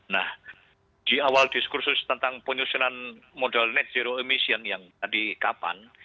nah di awal diskursus tentang penyusunan modal net zero emission yang tadi kapan